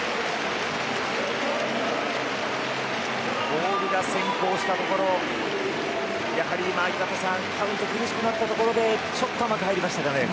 ボールが先行したところやはり井端さんカウントが苦しくなったところでちょっと甘く入りましたかね。